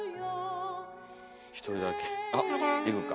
一人だけあっいくか。